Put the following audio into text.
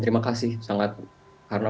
terima kasih sangat karena